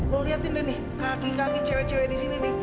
gue liatin deh nih kaki kaki cewek cewek di sini nih